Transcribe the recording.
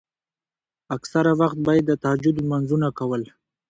اکثره وخت به يې د تهجد لمونځونه کول.